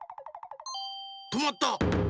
とまった！